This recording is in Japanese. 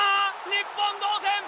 日本、同点！